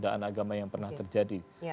ada kasus penodaan agama yang pernah terjadi